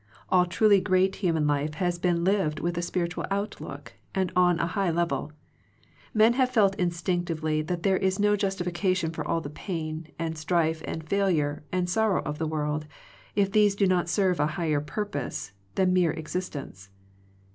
All truly great human life has been lived with a spiritual outlook, and on a high level. Men have felt instinctively that there is no justifica tion for all the pain, and strife, and fail ure, and sorrow of the world, if these do not serve a higher purpose than mere existence.